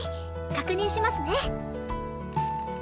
確認しますね。